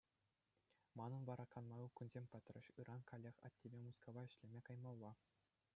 Манӑн вара канмалли кунсем пӗтрӗҫ, ыран каллех аттепе Мускава ӗҫлеме каймалла.